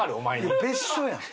いや別所やん。